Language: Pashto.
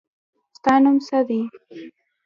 ستا نوم څه دی.